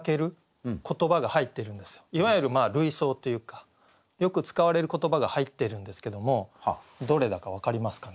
いわゆる類想というかよく使われる言葉が入ってるんですけどもどれだか分かりますかね？